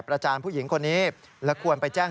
จานผู้หญิงคนนี้และควรไปแจ้ง